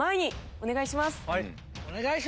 お願いします！